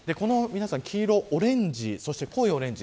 黄色、オレンジ濃いオレンジ。